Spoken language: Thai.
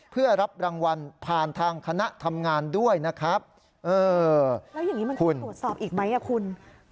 เพื่อรับรางวัลผ่านทางคณะทำงานด้วยนะครับเออแล้วอย่างนี้มันควรตรวจสอบอีกไหมอ่ะคุณ